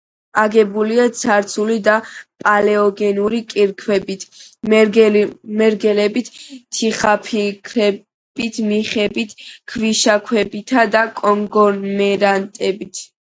აგებულია ცარცული და პალეოგენური კირქვებით, მერგელებით, თიხაფიქლებით, თიხებით, ქვიშაქვებითა და კონგლომერატებით.